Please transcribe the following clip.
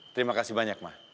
terima kasih banyak ma